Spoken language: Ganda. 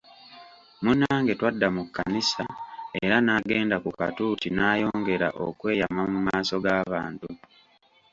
Munnange twadda mu kkanisa era n'agenda ku katuuti n'ayongera okweyama mu maaso g'abantu.